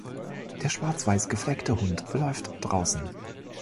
Der schwarz-weiß gefleckte Hund läuft draußen.